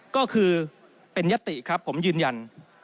ก็คือเป็นยติครับผมยืนยัน